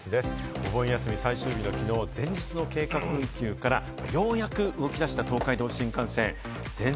お盆休み最終日のきのう、前日の計画運休からようやく動き出した東海道新幹線。